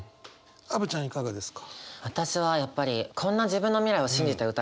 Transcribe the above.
アヴちゃんいかがですか？